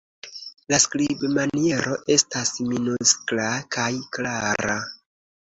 La skribmaniero estas minuskla kaj klara.